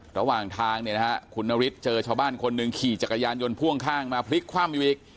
ระหว่างทางเนี่ยนะฮะคุณนฤทธิ์เจอชาวบ้านคนหนึ่งขี่จักรยานยนต์พ่วงข้างมาพลิกคว่ำอยู่อีก